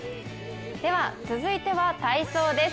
続いては体操です。